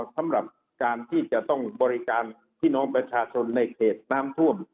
สำหรับการที่จะต้องบริการพี่น้องประชาชนในเขตน้ำท่วม